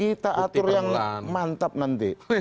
kita atur yang mantap nanti